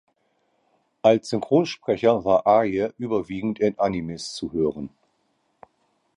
Als Synchronsprecher war Ayre überwiegend in Animes zu hören.